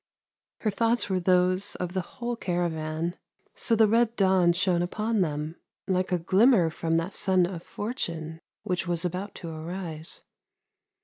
Her thoughts were those of the whole caravan, so the red dawn shone upon them, like a glimmer from that sun of fortune which was about to arise.